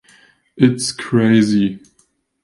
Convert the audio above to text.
It’s crazy.